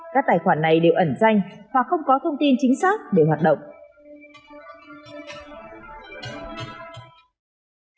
các tài khoản này đều ẩn danh hoặc không có thông tin chính xác để hoạt động